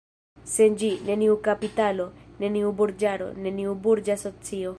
Sen ĝi, neniu kapitalo, neniu burĝaro, neniu burĝa socio.